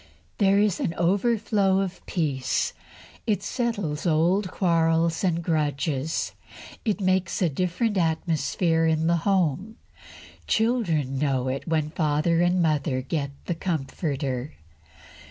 There is an overflow of peace. It settles old quarrels and grudges. It makes a different atmosphere in the home. The children know it when father and mother get the Comforter.